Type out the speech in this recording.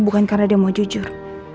bukan karena dia mau jujur